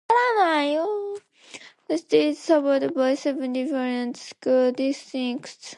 The city is served by seven different school districts.